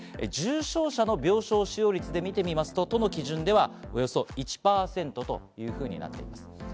重症者の病床使用率で見てみると、都の基準ではおよそ１％というふうになっています。